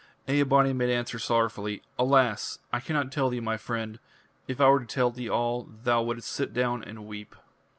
Ea bani made answer sorrowfully: "Alas! I cannot tell thee, my friend. If I were to tell thee all, thou wouldst sit down and weep."